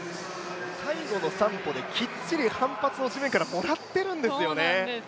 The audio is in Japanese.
最後の３歩できっちり反発を地面からもらっているんですよね。